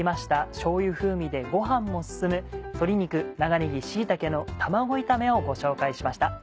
しょうゆ風味でご飯も進む「鶏肉長ねぎ椎茸の卵炒め」をご紹介しました。